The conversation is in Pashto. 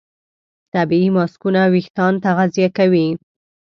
طبیعي ماسکونه وېښتيان تغذیه کوي.